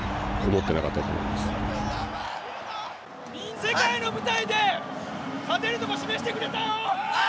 世界の舞台で、勝てるところ示してくれたよ。